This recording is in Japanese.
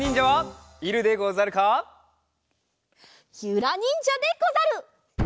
ゆらにんじゃでござる！